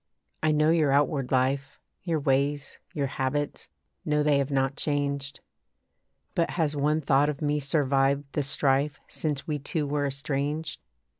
I know your outward life Your ways, your habits; know they have not changed. But has one thought of me survived the strife Since we two were estranged?